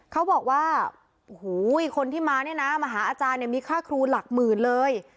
เขาบอกว่าโอ้โหคนที่มาเนี่ยนะมาหาอาจารย์เนี่ยมีค่าครูหลักหมื่นเลย